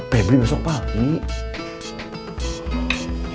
pebri besok pagi